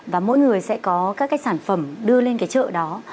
và mỗi người sẽ có các cái sản phẩm đưa lên cái chợ đó